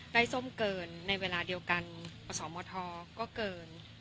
ส้มเกินในเวลาเดียวกันปสมทก็เกิน